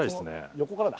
横からだ